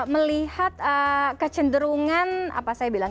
melihat kecenderungan apa saya bilang